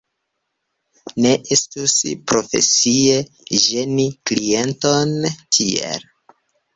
Ne estus profesie ĝeni klienton tiel.